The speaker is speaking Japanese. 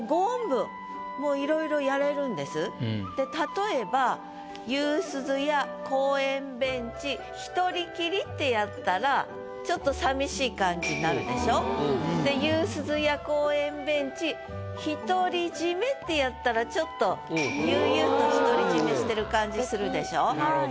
例えば「夕涼や公園ベンチ一人きり」ってやったらちょっとで「夕涼や公園ベンチ一人じめ」ってやったらちょっと悠々と独り占めしてる感じするでしょ？